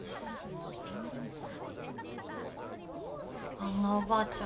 あんなおばあちゃん